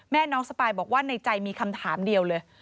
น้องสปายบอกว่าในใจมีคำถามเดียวเลย